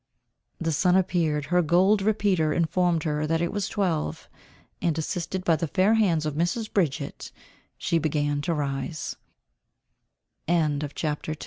The sun appeared, her gold repeater informed her that it was twelve, and, assisted by the fair hands of Mrs. Bridget, she began to rise. CHAPTER III. _A Ghost.